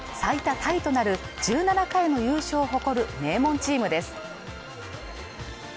タイとなる１７回の優勝を誇る名門チームです